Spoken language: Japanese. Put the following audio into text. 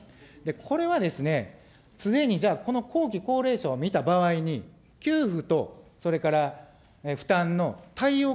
これはですね、常にじゃあ、後期高齢者を見た場合に、給付と、それから負担のたいおう